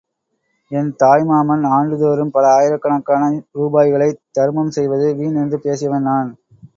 என் தாய் மாமன் ஆண்டுதோறும் பல ஆயிரக்கணக்கான ரூபாய்களைத் தருமம் செய்வது வீண் என்று பேசியவன் நான்.